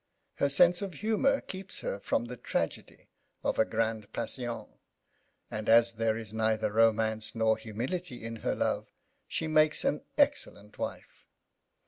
Her sense of humour keeps her from the tragedy of a grande passion, and, as there is neither romance nor humility in her love, she makes an excellent wife.